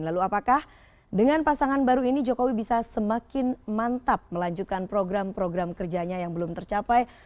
lalu apakah dengan pasangan baru ini jokowi bisa semakin mantap melanjutkan program program kerjanya yang belum tercapai